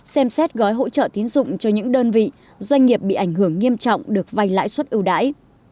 xem xét gói hỗ trợ tín dụng cho những đơn vị doanh nghiệp bị ảnh hưởng nghiêm trọng được vay lãi suất ưu đãi